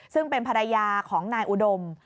ซึ่งเป็นภรรยาของนายอุดม